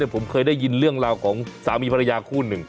ผมเคยได้ยินเรื่องราวของสามีภรรยาคู่หนึ่ง